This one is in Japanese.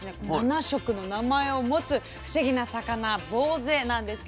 七色の名前を持つ不思議な魚ぼうぜなんです